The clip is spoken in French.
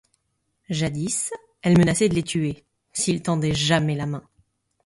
Jadis, elle menaçait de les tuer, s'ils tendaient jamais la main.